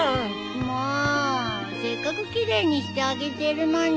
もうせっかく奇麗にしてあげてるのに。